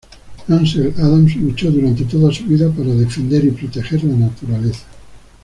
Ansel Adams luchó durante toda su vida por defender y proteger la naturaleza.